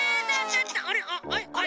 あれ？